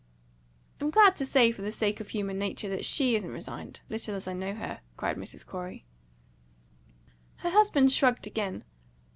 "I'm glad to say, for the sake of human nature, that SHE isn't resigned little as I like her," cried Mrs. Corey. Her husband shrugged again.